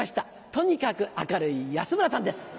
とにかく明るい安村さんです。